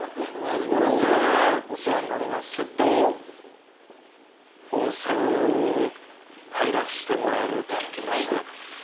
ちょっと温泉入らせてもらえると聞きまして。